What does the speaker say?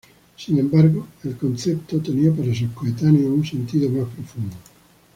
Sin embargo, el concepto tenía para sus coetáneos un sentido más profundo.